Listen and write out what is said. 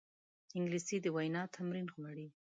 انګلیسي د وینا تمرین غواړي